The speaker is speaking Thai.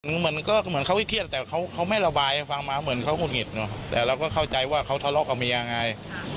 เหมือนเขาวิเครียดแต่เขาไม่ระบายฟังมาเหมือนเขาหุ้นหงิดแต่เราก็เข้าใจว่าเขาทะเลาะกับมียังไง